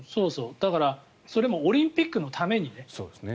だからそれもオリンピックのためにね。